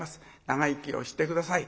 長生きをして下さい。